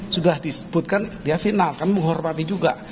sudah disebutkan dia final kami menghormati juga